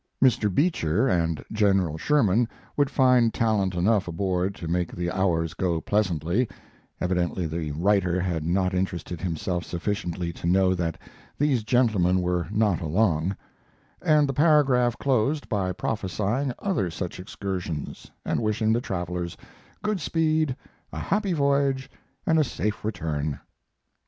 Mr. Beecher and General Sherman would find talent enough aboard to make the hours go pleasantly (evidently the writer had not interested himself sufficiently to know that these gentlemen were not along), and the paragraph closed by prophesying other such excursions, and wishing the travelers "good speed, a happy voyage, and a safe return."